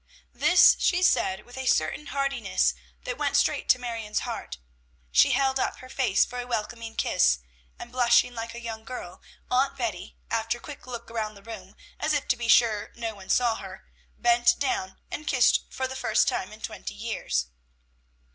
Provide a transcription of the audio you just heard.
This she said with a certain heartiness that went straight to Marion's heart. She held up her face for a welcoming kiss, and, blushing like a young girl, Aunt Betty, after a quick look around the room, as if to be sure no one saw her, bent down, and kissed for the first time in twenty years.